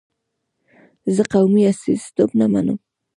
زه قومي استازیتوب نه منم.